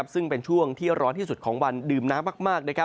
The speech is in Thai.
ซึ่งเป็นช่วงที่ร้อนที่สุดของวันดื่มน้ำมาก